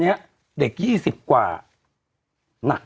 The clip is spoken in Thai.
เราก็มีความหวังอะ